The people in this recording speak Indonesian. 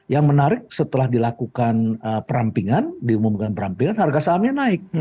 yang menarik setelah dilakukan perampingan diumumkan perampingan harga sahamnya naik